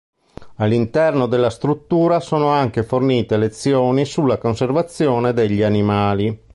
All'interno della struttura sono anche fornite lezioni sulla conservazione degli animali.